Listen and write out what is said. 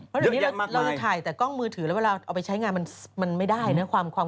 เพราะวันนี้เราจะถ่ายแต่กล้องมือถือแล้วเราเอาไปใช้งานมันไม่ได้นะความคมชัด